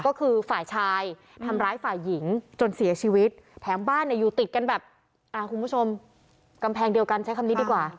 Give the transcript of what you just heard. ก็คือฝ่ายชายทำร้ายฝ่ายหญิงจนเสียชีวิตแถมบ้านเนี่ยอยู่ติดกันแบบอ่าคุณผู้ชมกำแพงเดียวกันใช้คำนี้ดีกว่า